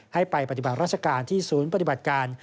ให้ไปปฏิบัติราชการที่ศูนย์ปฏิบัติการ